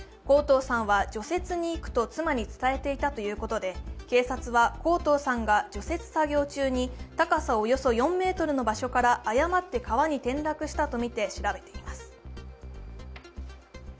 向當さんは除雪に行くと妻に伝えていたということで、警察は向當さんが除雪作業中に高さおよそ４ｍの場所から誤って川に転落したとみて調べています。